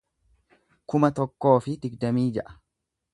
kuma tokkoo fi digdamii ja'a